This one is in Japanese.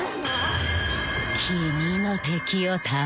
君の敵を倒して。